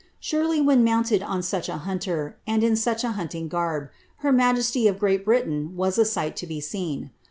Surely when mounted on such a hunter, and in such a hunting garb, her majesty of Great Britain was a sight to be seen.